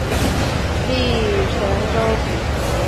隶辰州府。